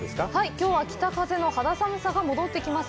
きょうは北風の肌寒さが戻ってきます。